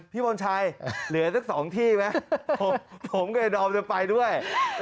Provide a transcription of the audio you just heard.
พี่มนชัยเหลือสัก๒ที่ไหมผมกับไอดอมจะไปด้วย